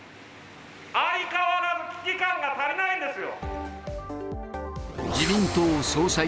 相変わらず危機感が足りないんですよ。